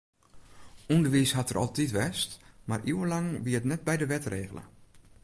Underwiis hat der altyd west, mar iuwenlang wie it net by de wet regele.